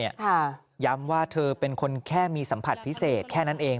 ย้ำว่าเธอเป็นคนแค่มีสัมผัสพิเศษแค่นั้นเอง